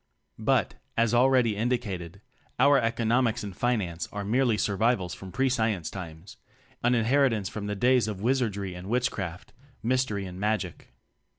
But, as already indicated, our "eco nomics and finance" are merely sur vivals from pre science times; an in heritance from the days of wizardry and witchcraft, mystery and magic.